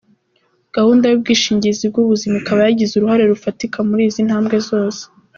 Gahunda y’ubwishingizi bw’ubuzima ikaba yagize uruhare rufatika muri izi ntambwe zose.